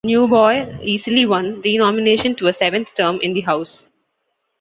Neugebauer easily won re-nomination to a seventh term in the House.